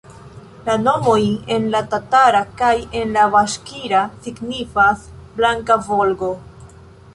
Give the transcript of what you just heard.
La nomoj en la tatara kaj en la baŝkira signifas "blanka Volgo".